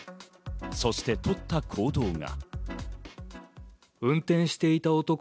そしてとった行動が。